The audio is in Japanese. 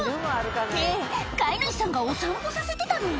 って、飼い主さんがお散歩させてたの？